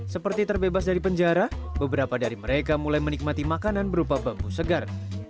seperti terbebas dari penjara beberapa dari mereka mulai menikmati makanan berupa bambu segar